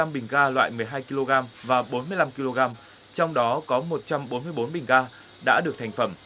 hai trăm bảy mươi năm bình ga loại một mươi hai kg và bốn mươi năm kg trong đó có một trăm bốn mươi bốn bình ga đã được thành phẩm